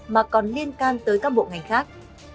mà còn liên can tới các bộ ngành khác